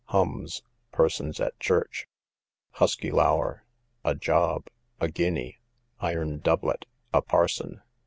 Hums, persons at church. Huskylour, a job, a guinea. Iron doublet, a parson.